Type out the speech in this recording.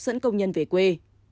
dẫn công nhân về quê